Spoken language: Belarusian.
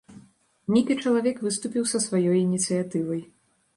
Нейкі чалавек выступіў са сваёй ініцыятывай.